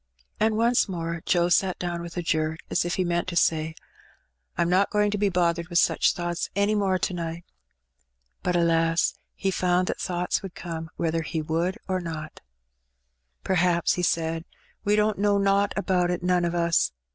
'^ And. once more Joe sat down with a jerk, as if he meant to say, 'Tm not going to be bothered with such thoughts any more to night. But alas ! he found that thoughts would come whether he would or no. "P^r'haps/* he said, "we don^t know nowt about it, none o* us.